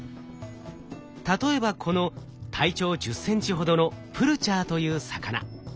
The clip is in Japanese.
例えばこの体長１０センチほどのプルチャーという魚。